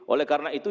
oleh karena itu